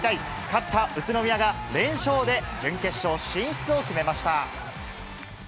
勝った宇都宮が連勝で、準決勝進出を決めました。